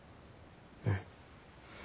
うん。